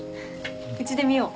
うちで見よう。